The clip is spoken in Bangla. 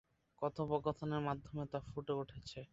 কথোপকথনের মাধ্যমে তা ফুটে উঠেছে।